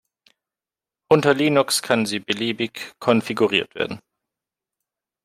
Unter Linux kann sie beliebig konfiguriert werden.